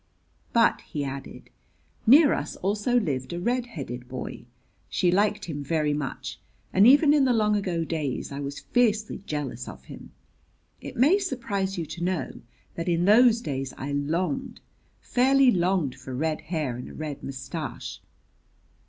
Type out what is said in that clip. "But," he added, "near us also lived a red headed boy. She liked him very much, and even in the long ago days I was fiercely jealous of him. It may surprise you to know that in those days I longed fairly longed for red hair and a red mustache."